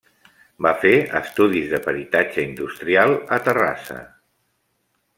Va fer estudis de peritatge industrial a Terrassa.